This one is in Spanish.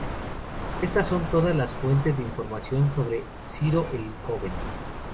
Estas son todas las fuentes de información sobre Ciro el Joven.